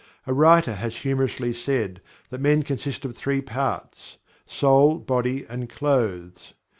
A writer has humorously said that "men consist of three parts soul, body and clothes."